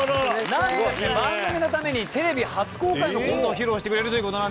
なんとですね番組のためにテレビ初公開のコントを披露してくれるという事なので。